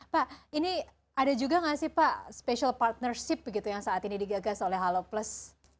pak ini ada juga nggak sih pak special partnership begitu yang saat ini digagas oleh halo plus